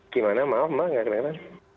gimana maaf mbak enggak kena kena